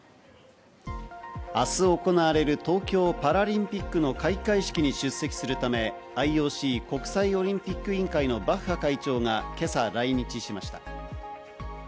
明日行われる東京パラリンピックの開会式に出席するためＩＯＣ＝国際オリンピック委員会のバッハ会長が今朝、来日しました。